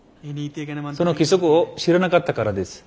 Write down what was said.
その規則を知らなかったからです。